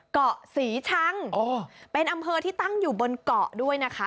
เกาะศรีชังเป็นอำเภอที่ตั้งอยู่บนเกาะด้วยนะคะ